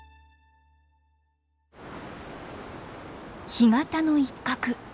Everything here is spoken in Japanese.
干潟の一角。